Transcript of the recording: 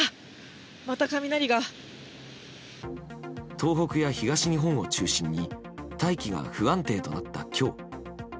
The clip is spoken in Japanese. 東北や東日本を中心に大気が不安定となった今日。